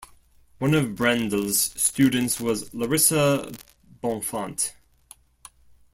One of Brendel's students was Larissa Bonfante.